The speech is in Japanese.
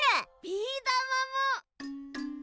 ビーだまも！